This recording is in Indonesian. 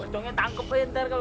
wacongnya tangkap lah pak gito